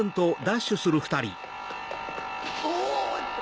おっと！